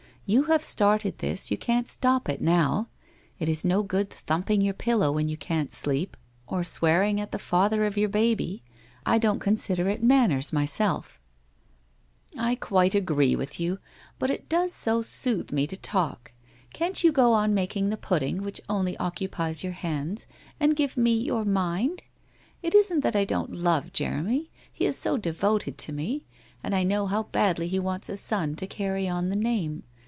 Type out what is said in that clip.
You have started this, you can't stop it now. It is no good thumping your pillow when you can't sleep, or swearing 139 140 WHITE ROSE OF WEARY LEAF at the father of your baby. I don't consider it manners, myself !'* I quite agree with you, but it does so soothe me to talk. Can't you go on making the pudding, which only occupies your hands, and give me your mind? It isn't that I don't love Jeremy, he is so devoted to me, and I know how badly he wants a son to carry on the name.